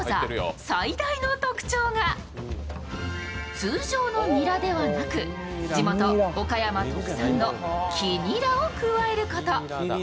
通常のニラではなく、地元・岡山特産の黄ニラを加えること。